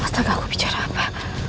astaga aku bicara apa